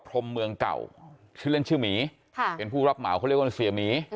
พรมเมืองเก่าชื่อเล่นชื่อหมีค่ะเป็นผู้รับเหมาเขาเรียกว่าเสียหมี